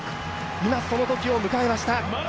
今そのときを迎えました。